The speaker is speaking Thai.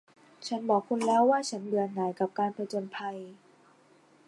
ฉันบอกคุณแล้วว่าฉันเบื่อหน่ายกับการผจญภัย